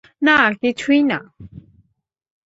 না কিছুই না?